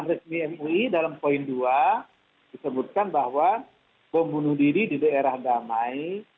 resmi mui dalam poin dua disebutkan bahwa bom bunuh diri di daerah damai